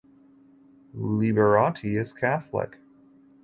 Liberati is Catholic.